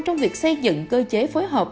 trong việc xây dựng cơ chế phối hợp